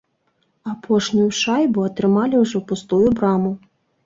Апошнюю шайбу атрымалі ўжо ў пустую браму.